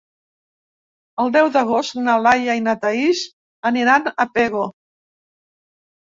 El deu d'agost na Laia i na Thaís aniran a Pego.